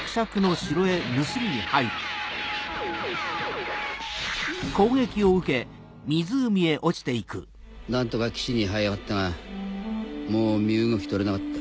うっ‼何とか岸に這い上がったがもう身動きとれなかった。